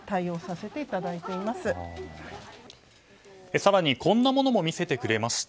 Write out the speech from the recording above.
更に、こんなものも見せてくれました。